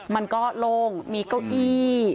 มันก็โล่งมีเก้าอี้